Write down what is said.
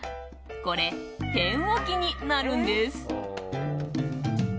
これ、ペン置きになるんです。